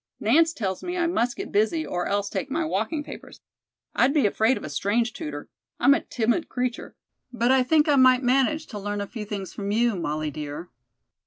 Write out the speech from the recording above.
Nance tells me I must get busy or else take my walking papers. I'd be afraid of a strange tutor. I'm a timid creature. But I think I might manage to learn a few things from you, Molly, dear."